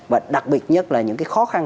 và đặc biệt nhất là những khó khăn